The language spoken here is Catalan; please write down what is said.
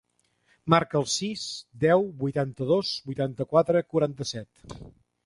Marca el sis, deu, vuitanta-dos, vuitanta-quatre, quaranta-set.